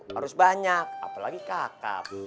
harus banyak apalagi kakap